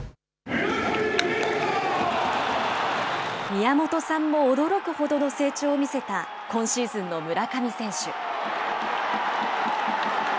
宮本さんも驚くほどの成長を見せた今シーズンの村上選手。